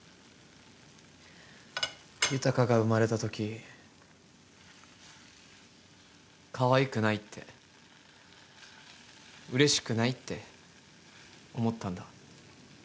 裕が生まれた時かわいくないって嬉しくないって思ったんだ。